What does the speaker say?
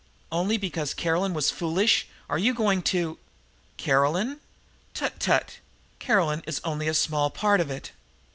"Only because Caroline was foolish are you going to " "Caroline? Tut, tut! Caroline is only a small part of it.